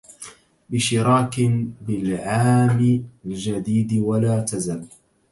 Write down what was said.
بشراك بالعام الجديد ولا تزل